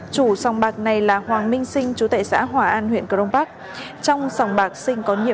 chủ sòng bạc này là hoàng minh sinh chú tệ xã hòa an huyện cờ rông bắc